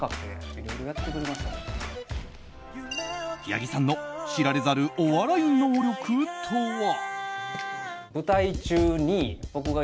八木さんの知られざるお笑い能力とは。